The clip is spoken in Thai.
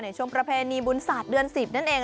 ช่วงประเพณีบุญศาสตร์เดือน๑๐นั่นเอง